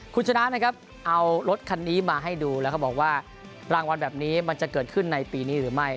คุณชนะนะครับเอารถคันนี้มาให้ดูแล้วก็บอกว่ารางวัลแบบนี้มันจะเกิดขึ้นในปีนี้หรือไม่